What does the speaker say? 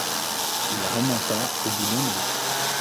Il remonta au bout d’un an.